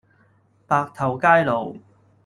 白頭偕老